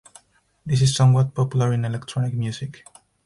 This is somewhat popular in electronic music.